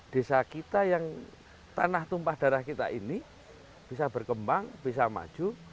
desa kita yang tanah tumpah darah kita ini bisa berkembang bisa maju